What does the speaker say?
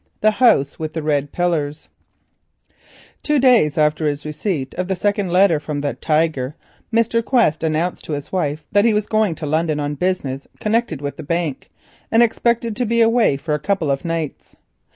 THE HOUSE WITH THE RED PILLARS Two days after his receipt of the second letter from the "Tiger," Mr. Quest announced to his wife that he was going to London on business connected with the bank, and expected to be away for a couple of nights.